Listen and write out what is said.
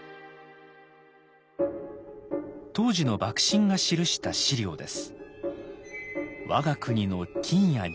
当時の幕臣が記した史料です。